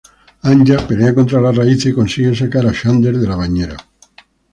Anya pelea contra las raíces y consigue sacar a Xander de la bañera.